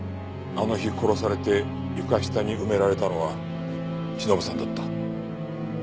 あの日殺されて床下に埋められたのはしのぶさんだった。